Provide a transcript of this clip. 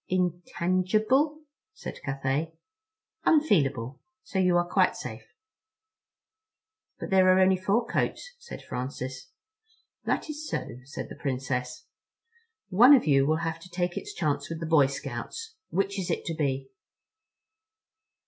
"Intangible?" said Cathay. "Unfeelable, so you're quite safe." "But there are only four coats," said Francis. "That is so," said the Princess. "One of you will have to take its chance with the Boy Scouts. Which is it to be?"